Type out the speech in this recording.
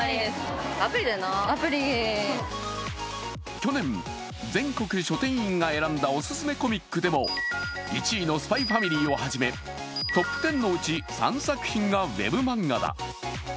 去年全国書店員が選んだおすすめコミックでも１位の「ＳＰＹ×ＦＡＭＩＬＹ」をはじめトップ１０のうち３作品がウェブ漫画だ。